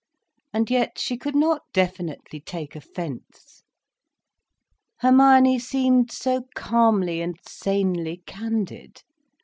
And yet she could not definitely take offence. Hermione seemed so calmly and sanely candid.